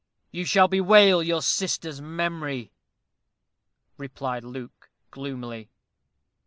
"You shall bewail your sister's memory," replied Luke, gloomily.